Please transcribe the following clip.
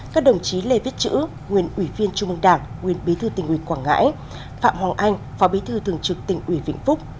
các đồng chí lê viết chữ nguyên ủy viên trung mương đảng nguyên bí thư tỉnh ủy quảng ngãi phạm hoàng anh phó bí thư thường trực tỉnh ủy vĩnh phúc